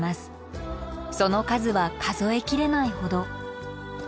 その数は数え切れないほど。